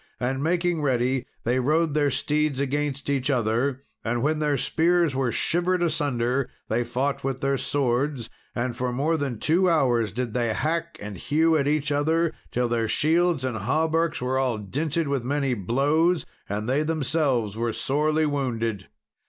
And making ready, they rode their steeds against each other; and when their spears were shivered asunder, they fought with their swords. And for more than two hours did they hack and hew at each other, till their shields and hauberks were all dinted with many blows, and they themselves were sorely wounded.